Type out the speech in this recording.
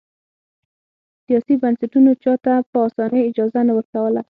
سیاسي بنسټونو چا ته په اسانۍ اجازه نه ورکوله.